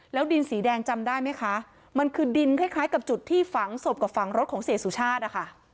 ดินสีแดงจำได้ไหมคะมันคือดินคล้ายกับจุดที่ฝังศพกับฝังรถของเสียสุชาตินะคะ